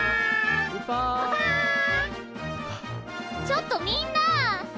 ちょっとみんな！